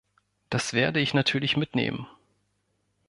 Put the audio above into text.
Das werde ich natürlich mitnehmen.